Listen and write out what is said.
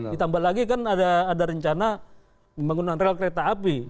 ditambah lagi kan ada rencana pembangunan rel kereta api